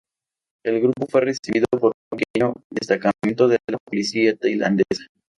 El grupo fue recibido por un pequeño destacamento de la policía tailandesa.